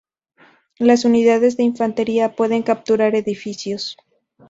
Las unidades de infantería pueden capturar edificios.